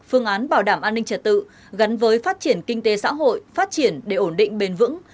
phương án bảo đảm an ninh trật tự gắn với phát triển kinh tế xã hội phát triển để ổn định bền vững